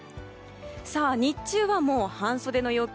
さあ、日中はもう半袖の陽気。